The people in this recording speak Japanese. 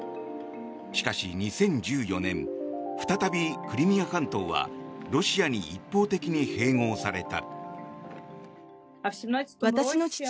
しかし、２０１４年再びクリミア半島はロシアに一方的に併合された。